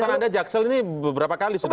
catatan anda jaksel ini berapa kali sudah ya